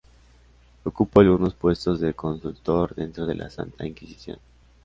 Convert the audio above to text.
Ocupó algunos puestos de consultor dentro de la Santa Inquisición.